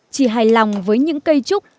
chỉ hài lòng với những cây trúc